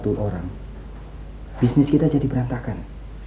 atau satu orang bisnis kita jadi berantakan